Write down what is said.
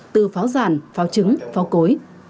từ pháo giàn pháo trứng pháo cối